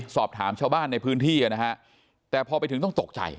สอบถามชาวบ้านในพื้นที่นะฮะแต่พอไปถึงต้องตกใจ